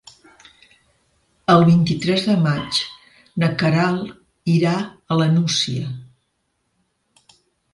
El vint-i-tres de maig na Queralt irà a la Nucia.